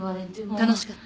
楽しかった？